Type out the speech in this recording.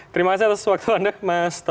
terima kasih atas waktu anda mas toto